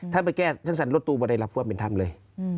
ถ้าไปแก้ยังมองรถตู้ไม่ได้รับฟ่อมเป็นทั้งเลย